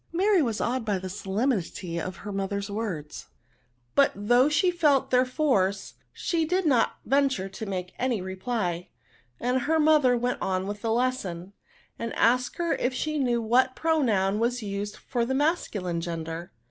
'* Mary was awed by the solemnity of her mother's words ; but though she felt their force, she did not venture to make any re ply ; and her mother went on with the lesson, and asked her if she knew what pronoun was used for the masculine gender?